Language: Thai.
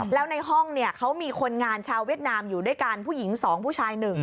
แล้วในห้องเขามีคนงานชาวเวียดนามอยู่ด้วยกันผู้หญิง๒ผู้ชาย๑